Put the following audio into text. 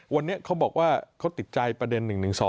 วันนี้เขาบอกว่าเขาติดใจประเด็น๑๑๒